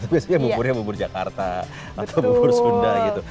biasanya buburnya bubur jakarta atau bubur sunda gitu